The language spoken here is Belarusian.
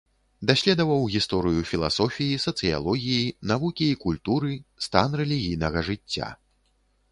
Даследаваў гісторыю філасофіі, сацыялогіі, навукі і культуры, стан рэлігійнага жыцця.